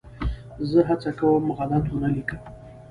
زه هڅه کوم غلط ونه ولیکم.